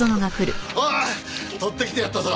おい取ってきてやったぞ。